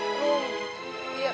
rum minta maaf banget bang